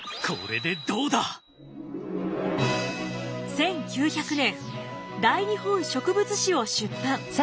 １９００年「大日本植物志」を出版。